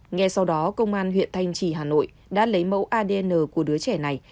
ngay sau đó công an huyện thanh trì hà nội đã lấy mẫu adn của đứa trẻ này